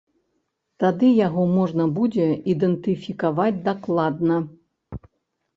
Тады яго можна будзе ідэнтыфікаваць дакладна.